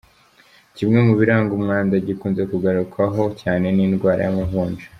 Kimwe mu biranga umwanda gikunze kugarukwaho cyane, ni indwara y’amavunja.